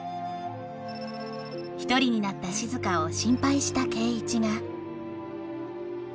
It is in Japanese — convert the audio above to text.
１人になった静を心配した圭一がはい！